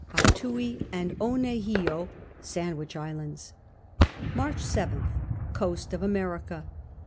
Atooi and Oiieeheow (Sandwich Islands). March 7th. Coast of America.